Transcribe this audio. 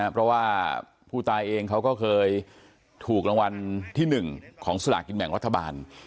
เพราะว่าผู้ตายเองเขาก็เคยถูกรางวัลที่๑ของสลากินแบ่งรัฐบาล